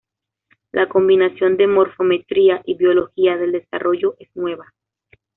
La combinación de Morfometría y biología del desarrollo es nueva.